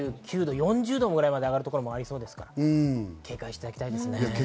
３９度４０度まで上がる所がありますから、警戒していただきたいですね。